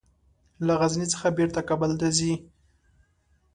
له غزني څخه بیرته کابل ته ځي.